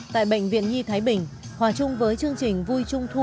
tại bệnh viện nhi thái bình hòa chung với chương trình vui trung thu